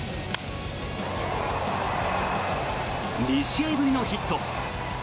２試合ぶりのヒット。